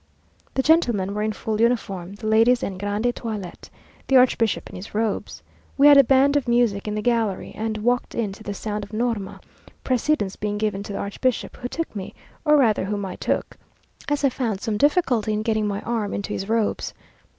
The gentlemen were in full uniform the ladies en grande toilette the archbishop in his robes. We had a band of music in the gallery, and walked in to the sound of Norma, precedence being given to the archbishop, who took me, or rather whom I took, as I found some difficulty in getting my arm into his robes.